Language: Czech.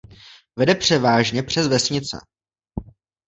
Vede převážně přes vesnice.